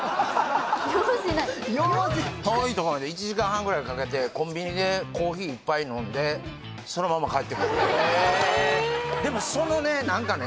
遠いとこまで１時間半ぐらいかけてコンビニでコーヒー１杯飲んでそのまま帰ってくるえでもそのね何かね